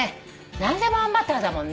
何でもあんバターだもんね。